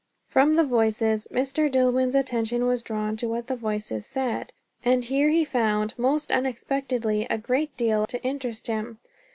From the voices, Mr. Dillwyn's attention was drawn to what the voices said. And here he found, most unexpectedly, a great deal to interest him.